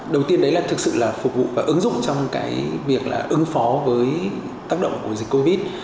đầu tiên đấy là thực sự là phục vụ và ứng dụng trong cái việc là ứng phó với tác động của dịch covid một mươi chín